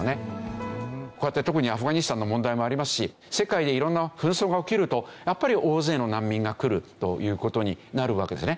こうやって特にアフガニスタンの問題もありますし世界で色んな紛争が起きるとやっぱり大勢の難民が来るという事になるわけですよね。